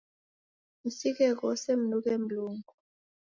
Msighe ghose, mnughe Mlungu.